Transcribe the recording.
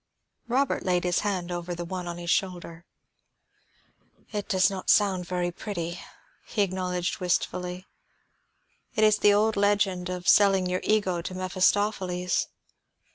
Robert laid his hand over the one on his shoulder. "It does not sound very pretty," he acknowledged wistfully. "It is the old legend of selling your ego to Mephistopheles.